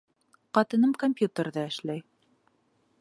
Ҡатыным компьютерҙа эшләй.